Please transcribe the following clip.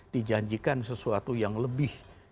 dijanjikan sesuatu yang lebih